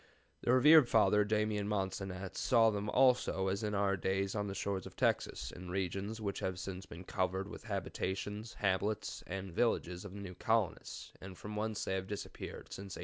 The Rev. Father Damian Mansanet saw them also as in our days on the shores of Texas, in regions which have since been covered with the habitations, hamlets, and villages of the new colonists, and from whence they have disappeared since 1828."